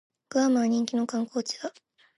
グアムは人気の観光地だ